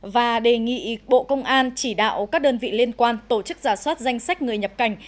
và đề nghị bộ công an chỉ đạo các đơn vị liên quan tổ chức giả soát danh sách người nhập cảnh